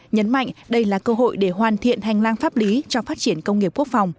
nhấn mạnh đây là cơ hội để hoàn thiện hành lang pháp lý cho phát triển công nghiệp quốc phòng